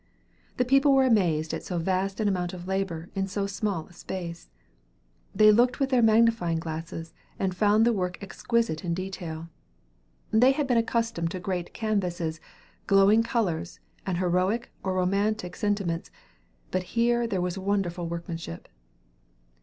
The people were amazed at so vast an amount of labor in so small a space. They looked with their magnifying glasses, and found the work exquisite in detail. They had been accustomed to great canvases, glowing colors, and heroic or romantic sentiments; but here there was wonderful workmanship.